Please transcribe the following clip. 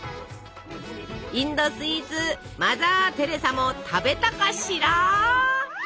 インドスイーツマザー・テレサも食べたかしら！